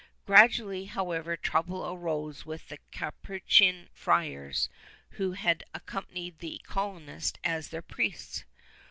Gradually however trouble arose with the Capuchin friars who had accompanied the colonists as their priests.